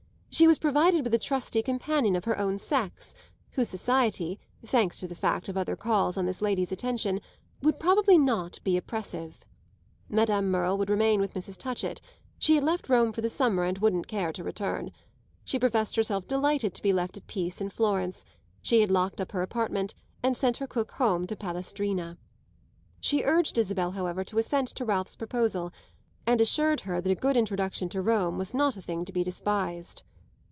She was provided with a trusty companion of her own sex, whose society, thanks to the fact of other calls on this lady's attention, would probably not be oppressive. Madame Merle would remain with Mrs. Touchett; she had left Rome for the summer and wouldn't care to return. She professed herself delighted to be left at peace in Florence; she had locked up her apartment and sent her cook home to Palestrina. She urged Isabel, however, to assent to Ralph's proposal, and assured her that a good introduction to Rome was not a thing to be despised.